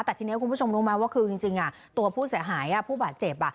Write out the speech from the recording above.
แต่ทีนี้คุณผู้ชมรู้ไหมว่าคือจริงตัวผู้เสียหายผู้บาดเจ็บ